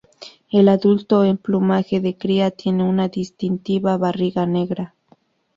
El adulto en plumaje de cría tiene una distintiva barriga negra.